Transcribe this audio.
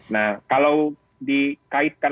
nah kalau dikaitkan